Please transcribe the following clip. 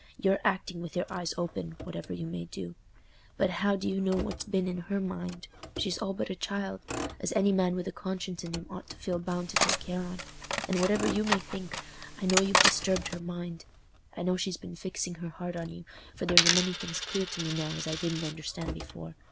You're acting with your eyes open, whatever you may do; but how do you know what's been in her mind? She's all but a child—as any man with a conscience in him ought to feel bound to take care on. And whatever you may think, I know you've disturbed her mind. I know she's been fixing her heart on you, for there's a many things clear to me now as I didn't understand before.